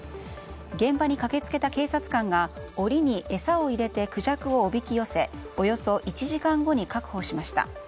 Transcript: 現場に駆け付けた警察官が檻に餌を入れてクジャクをおびき寄せおよそ１時間後に確保しました。